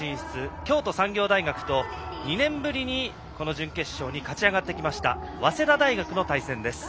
京都産業と２年ぶりに、この準決勝に勝ち上がってきました早稲田大学の対戦です。